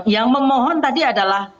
yang memohon tadi adalah